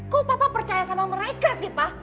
kok bapak percaya sama mereka sih pak